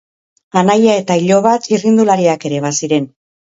Anaia eta iloba txirrindulariak ere baziren.